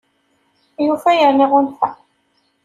Yufa yerna iɣunfa!